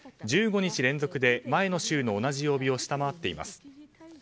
１５日連続で前の週の同じ曜日を下回っています。